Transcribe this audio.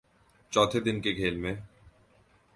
چوتھے دن کے کھیل میں